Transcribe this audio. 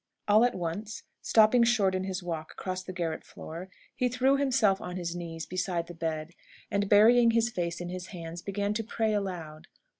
] All at once, stopping short in his walk across the garret floor, he threw himself on his knees beside the bed, and, burying his face in his hands, began to pray aloud.